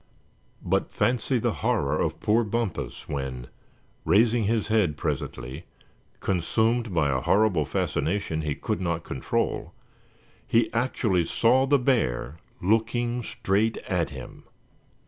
But fancy the horror of poor Bumpus when, raising his head presently, consumed by a horrible fascination he could not control, he actually saw the bear looking straight at him!